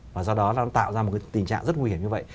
và do đó nó tạo ra một tình trạng rất nguy hiểm như vậy